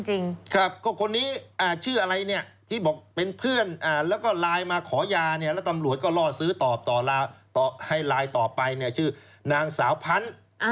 จริงเคสแบบนี้ที่เป็นดารานักแสดงก่อน